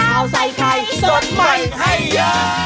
เท้าไซคลัยสดใหม่ให้ย้า